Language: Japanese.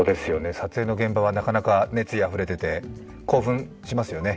撮影の現場はなかなか熱意あふれていて、興奮しますよね。